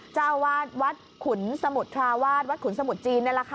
เจ้าวาทวัดขุนสมุทราวาทวัดขุนสมุทรจีน